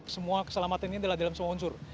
semua keselamatan ini adalah dalam semua unsur